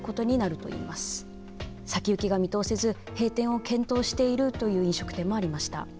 先行きが見通せず閉店を検討しているという飲食店もありました。